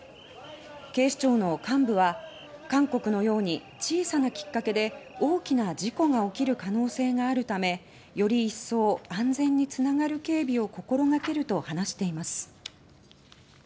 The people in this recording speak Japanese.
警視庁の幹部は韓国のように小さなきっかけで大きな事故が起きる可能性があるためより一層安全に繋がる警備を心がけると話しています。